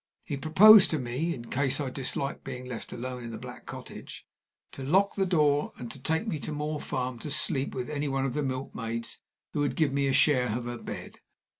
He proposed to me, in case I disliked being left alone in the Black Cottage, to lock the door and to take me to Moor Farm to sleep with any one of the milkmaids who would give me a share of her bed.